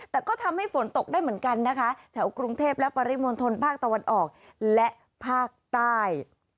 แต่ก็ทำให้ฝนตกได้เหมือนกันนะคะแถวกรุงเทพและปริมณฑลภาคตะวันออกและภาคใต้